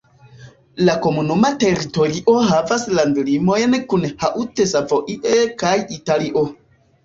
La komunuma teritorio havas landlimojn kun Haute-Savoie kaj Italio.